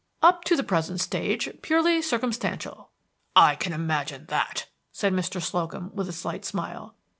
"Up to the present stage, purely circumstantial." "I can imagine that," said Mr. Slocum, with a slight smile.